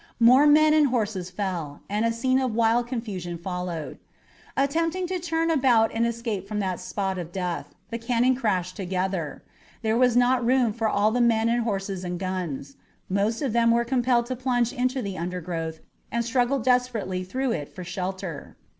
More men and horses fell, and a scene of wild confusion followed. Attempting to turn about and escape from that spot of death, the cannon crashed together. There was not room for all the men and horses and guns. Most of them were compelled to plunge into the undergrowth and struggle desperately through it for shelter.